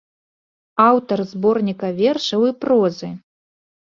Аўтар зборніка вершаў і прозы.